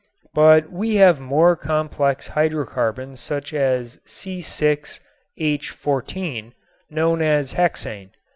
But we have more complex hydrocarbons such as C_H_, known as hexane.